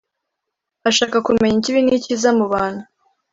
ashaka kumenya ikibi n’icyiza mu bantu.